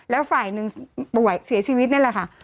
แล้วฝ่ายหนึ่งป่วยเสียชีวิตนี่แหละค่ะ